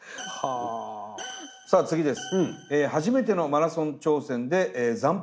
さあ次です。